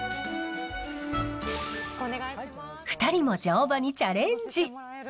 ２人も乗馬にチャレンジ。